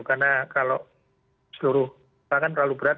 karena kalau seluruh bahkan terlalu berat